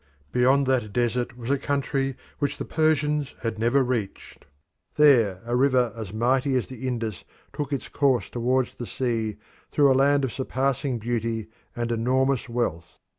Beyond that desert was a country which the Persians had never reached. There a river as mighty as the Indus took its course towards the sea through a land of surpassing beauty and enormous wealth.